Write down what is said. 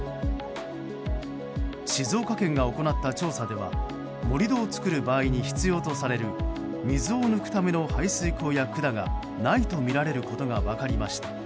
静岡県が行った調査では盛り土を作る場合に必要とされる水を抜くための排水溝や管がないとみられることが分かりました。